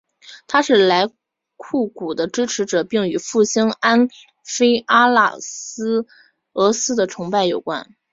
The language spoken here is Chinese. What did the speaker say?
他是莱库古的支持者并与复兴安菲阿拉俄斯的崇拜有关。